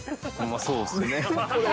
そうですね。